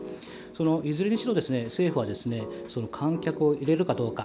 いずれにせよ、政府は観客を入れるかどうか。